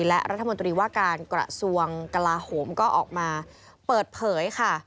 และรัฐมนตรีว่าการกระทรวงกลาโหมก็ออกมาเปิดเผยค่ะ